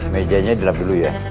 mejanya dilap dulu ya